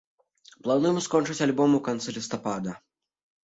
Плануем скончыць альбом у канцы лістапада.